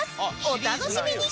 お楽しみに！